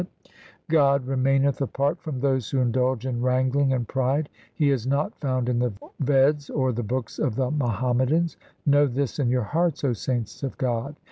COMPOSITIONS OF GURU GOBIND SINGH 303 God remaineth apart from those Who indulge in wrangling and pride. He is not found in the Veds or the books of the Muham madans. Know this in your hearts, O saints of God.